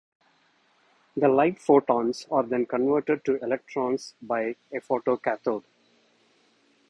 The light photons are then converted to electrons by a photocathode.